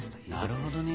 なるほどね。